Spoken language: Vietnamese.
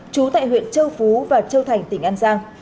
trú tại huyện châu phú và châu thành tỉnh an giang